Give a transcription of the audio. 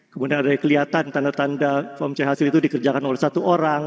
kemudian ada kelihatan tanda tanda foam ch hasil itu dikerjakan oleh satu orang